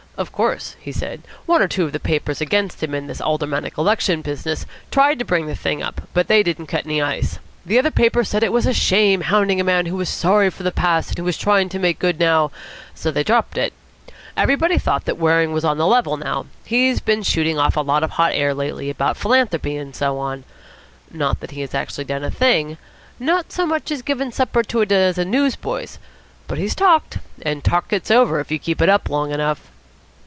"Of course," he said, "one or two of the papers against him in this Aldermanic Election business tried to bring the thing up, but they didn't cut any ice. The other papers said it was a shame, hounding a man who was sorry for the past and who was trying to make good now; so they dropped it. Everybody thought that Waring was on the level now. He's been shooting off a lot of hot air lately about philanthropy and so on. Not that he has actually done a thing not so much as given a supper to a dozen news boys; but he's talked, and talk gets over if you keep it up long enough."